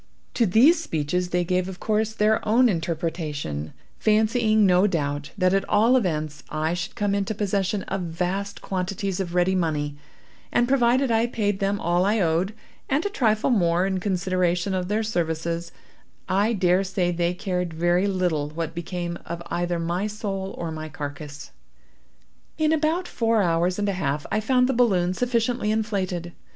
To these speeches they gave, of course, their own interpretation; fancying, no doubt, that at all events I should come into possession of vast quantities of ready money; and provided I paid them all I owed, and a trifle more, in consideration of their services, I dare say they cared very little what became of either my soul or my carcass. "In about four hours and a half I found the balloon sufficiently inflated.